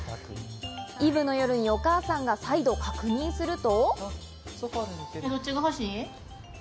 イブの夜にお母さんが再度確認すると。